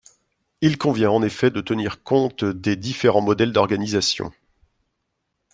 Il convient en effet de tenir compte des différents modèles d’organisation.